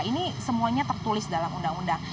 ini semuanya tertulis dalam undang undang